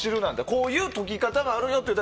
こういう解き方があるよっていう。